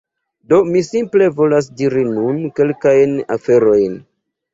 Do mi simple volas diri nun kelkajn aferojn